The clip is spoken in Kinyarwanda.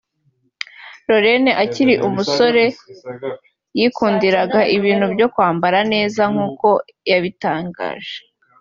Lauren akiri umusore yikundiraga ibintu byo kwambara neza nk’uko yabitangaje